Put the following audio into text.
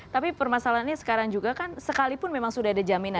tapi permasalahannya sekarang juga kan sekalipun memang sudah ada jaminan